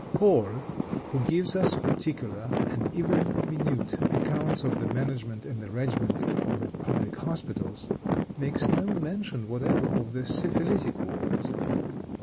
Kohl, who gives us particular, and even minute accounts of the management and arrangement of the public hospitals, makes no mention whatever of the syphilitic wards.